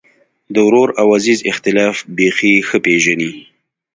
د ورور او عزیز اختلاف بېخي ښه پېژني.